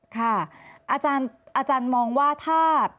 ค่ะอาจารย์อาจารย์มองว่าถ้า